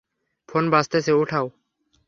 Phone বাজতেছে, উঠাও।